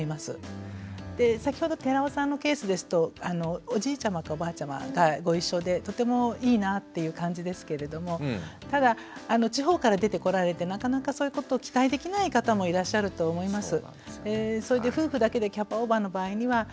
先ほど寺尾さんのケースですとおじいちゃまかおばあちゃまがご一緒でとてもいいなぁっていう感じですけれどもただ地方から出てこられてなかなかそういうことを期待できない方もいらっしゃると思います。